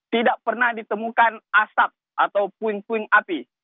tidak pernah ditemukan asap atau puing puing api